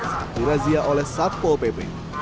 saat dirazia oleh satpol pp